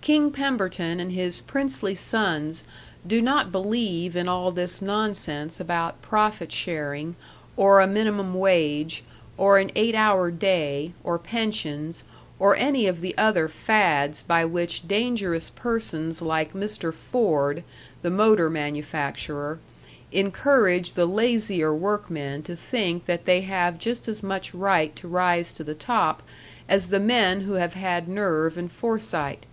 King Pemberton and his princely sons do not believe in all this nonsense about profit sharing, or a minimum wage, or an eight hour day, or pensions, or any of the other fads by which dangerous persons like Mr. Ford, the motor manufacturer, encourage the lazier workmen to think that they have just as much right to rise to the top as the men who have had nerve and foresight.